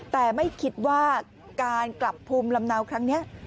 แต่ไม่คิดว่าการกลับภูมิลำเนาครั้งนี้